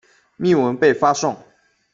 密文被发送。